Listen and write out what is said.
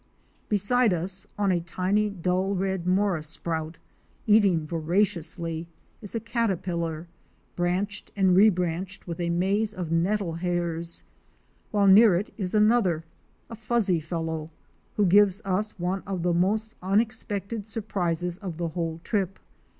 Beside us on a tiny, dull red Mora sprout, eating voraciously is a caterpillar, branched and rebranched with a maze of nettle hairs, while near it is another — a fuzzy fellow — who gives us one of the most unexpected surprises of the whole trip.